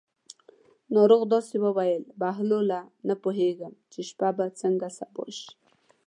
ناروغ داسې وویل: بهلوله نه پوهېږم چې شپه به څنګه سبا شي.